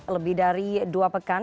lebih dari dua pekan